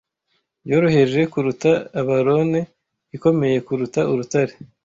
yoroheje kuruta abalone ikomeye kuruta urutare